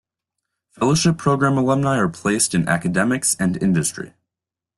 Fellowship Program alumni are placed in academics and industry.